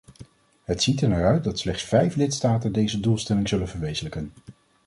Het ziet ernaar uit dat slechts vijf lidstaten deze doelstelling zullen verwezenlijken.